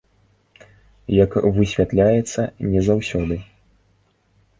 Як высвятляецца, не заўсёды.